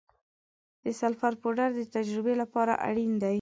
د سلفر پوډر د تجربې لپاره اړین دی.